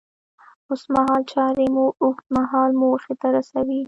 اوسمهال چارې مو اوږد مهاله موخې ته رسوي.